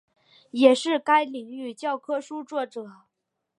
也是该领域教科书作者。